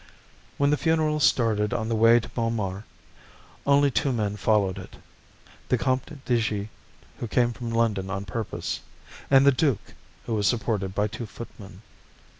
When the funeral started on the way to Montmartre only two men followed it: the Comte de G., who came from London on purpose, and the duke, who was supported by two footmen.